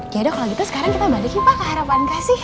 yaudah kalau gitu sekarang kita baliknya pak ke harapan kasih